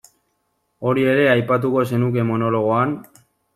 Hori ere aipatuko zenuke monologoan?